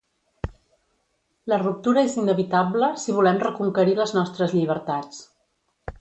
La ruptura és inevitable si volem reconquerir les nostres llibertats.